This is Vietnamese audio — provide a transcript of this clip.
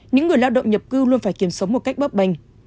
những người lao động nhập cư luôn phải kiếm sống một cách bớt bành